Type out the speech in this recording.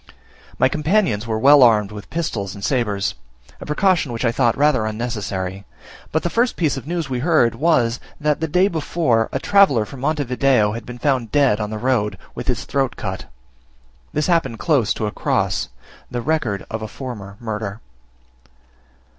My companions were well armed with pistols and sabres; a precaution which I thought rather unnecessary but the first piece of news we heard was, that, the day before, a traveller from Monte Video had been found dead on the road, with his throat cut. This happened close to a cross, the record of a former murder.